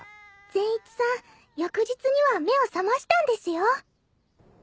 善逸さん翌日には目を覚ましたんですよ。